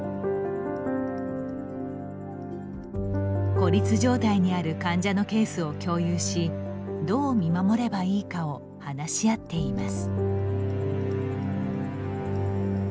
孤立状態にある患者のケースを共有しどう見守ればいいかを話し合っています。